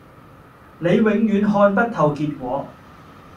你永遠看不透結果